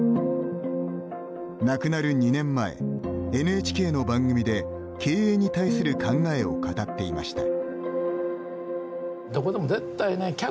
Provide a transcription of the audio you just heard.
亡くなる２年前、ＮＨＫの番組で経営に対する考えを語っていました。